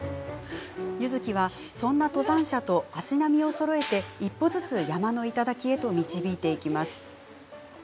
柚月は、そんな登山者と足並みをそろえて一歩ずつ山の頂へと導いていきます。